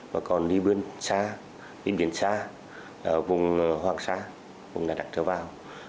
mà còn đi biển xa vùng hoang xa vùng là đạc trở vào